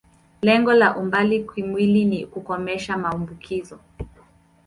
Lengo la umbali kimwili ni kukomesha maambukizo.